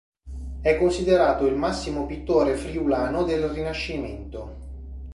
È considerato il massimo pittore friulano del Rinascimento.